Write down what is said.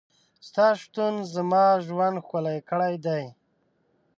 ستا شتون زما ژوند ښکلی کړی دی.